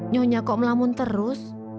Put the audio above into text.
nyonya kok melamun terus